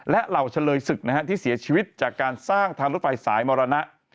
และเหล่าเฉลยศึกที่เสียชีวิตจากการสร้างทางรถไฟสายมรณะ